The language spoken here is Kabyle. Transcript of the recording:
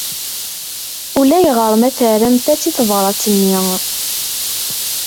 Ulayɣer ma terramt-as i tebṛat-nni.